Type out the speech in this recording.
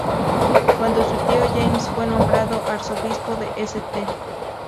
Cuando su tío James fue nombrado Arzobispo de St.